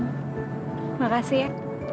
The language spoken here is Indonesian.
terima kasih ya